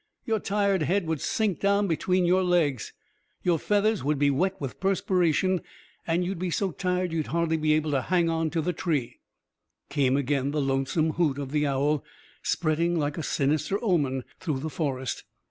Your tired head would sink down between your legs, your feathers would be wet with perspiration and you'd be so tired you'd hardly be able to hang on to the tree." Came again the lonesome hoot of the owl, spreading like a sinister omen through the forest.